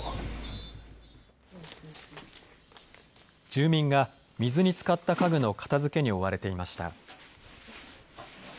住民が水につかった家具の片づけに追われていました。